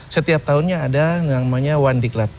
setiap tahunnya ada namanya wandiklat